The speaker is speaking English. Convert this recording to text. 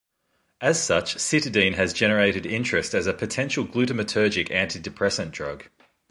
As such, cytidine has generated interest as a potential glutamatergic antidepressant drug.